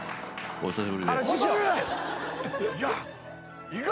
お久しぶりです。